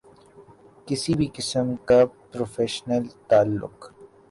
کسی بھی قسم کا پروفیشنل تعلق